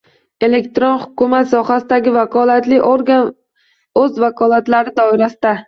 Elektron hukumat sohasidagi vakolatli organ o‘z vakolatlari doirasida: